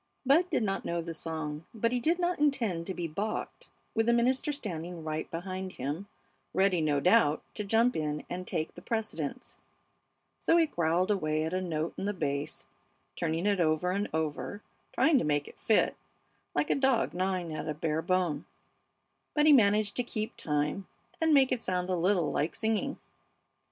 Bud did not know the song, but he did not intend to be balked with the minister standing right behind him, ready, no doubt, to jump in and take the precedence; so he growled away at a note in the bass, turning it over and over and trying to make it fit, like a dog gnawing at a bare bone; but he managed to keep time and make it sound a little like singing.